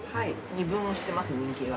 二分をしてます人気が。